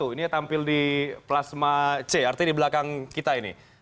ini tampil di plasma c artinya di belakang kita ini